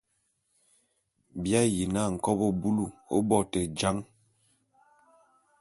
Bi ayi na nkobô búlù ô bo te jan.